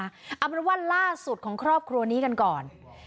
เอาเป็นว่าล่าสุดของครอบครัวนี้กันก่อน